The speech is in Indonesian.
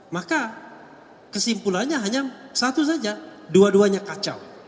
maka kesimpulannya hanya satu saja dua duanya kacau